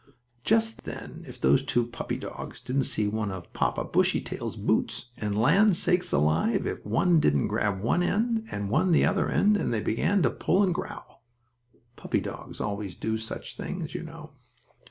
Just then, if those two puppy dogs didn't see one of Papa Bushytail's boots, and, land sakes alive! if one didn't grab one end and one the other end, and they began to pull and growl. Puppy dogs always do such things, you know.